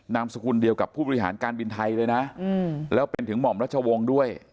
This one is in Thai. นามสกุลเดียวกับผู้บริหารการบินไทยเลยนะแล้วเป็นถึงหม่อมรัชวงศ์ด้วย